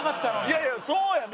いやいやそうやん！